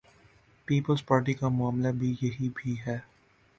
Peoples Party کا معاملہ بھی یہی بھی ہے۔